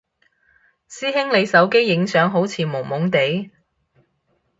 師兄你手機影相好似朦朦哋？